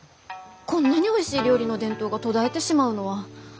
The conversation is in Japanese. こんなにおいしい料理の伝統が途絶えてしまうのは。